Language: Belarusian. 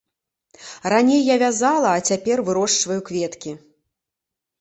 Раней я вязала, а цяпер вырошчваю кветкі.